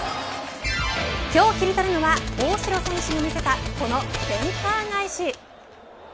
今日キリトるのは大城選手に見せたセンター返し。